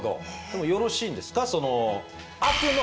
でもよろしいんですか？